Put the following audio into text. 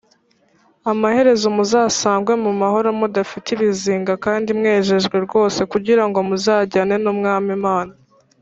amaherezo muzasangwe mu mahoro mudafite ibizinga kandi mwejejwe rwose kugirango muzajyane n’umwami Mana.